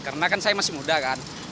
karena kan saya masih muda kan